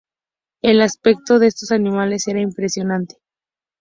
El aspecto de estos animales era impresionante.